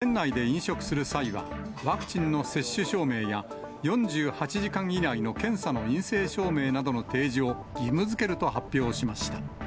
政府は２２日、来月６日から店内で飲食する際は、ワクチンの接種証明や、４８時間以内の検査の陰性証明などの提示を義務づけると発表しました。